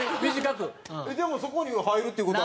でもそこに入るって事は。